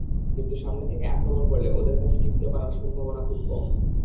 কিন্তু সামনে থেকে আক্রমণ করলে ওদের কাছে টিকতে পারার সম্ভাবনা খুব কম।